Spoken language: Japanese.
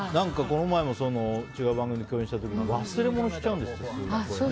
この前も違う番組で共演した時にすごい忘れ物しちゃうんですって。